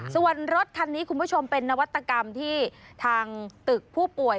ส่วนรถคันนี้คุณผู้ชมเป็นนวัตกรรมที่ทางตึกผู้ป่วย